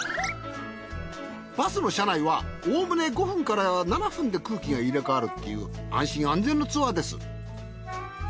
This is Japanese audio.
バスの社内はおおむね５分から７分で空気が入れ替わるっていう安心安全のツアーです。